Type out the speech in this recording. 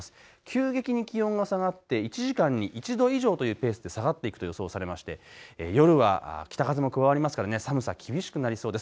急激に気温が下がって１時間に１度以上というペースで下がっていくと予想されまして、夜は北風も加わりますから寒さ、厳しくなりそうです。